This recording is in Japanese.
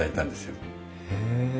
へえ。